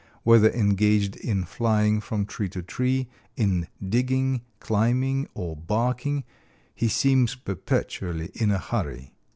Whether engaged in flying from tree to tree, in digging, climbing or barking, he seems perpetually in a hurry."